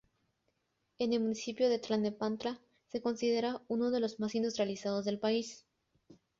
En el municipio de Tlalnepantla se considera uno de los más industrializados del país.